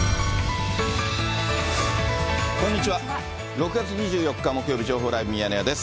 ６月２４日木曜日、情報ライブミヤネ屋です。